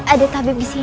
ada tabib di sini